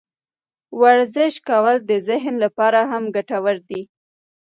ورزش کول د ذهن لپاره هم ګټور دي.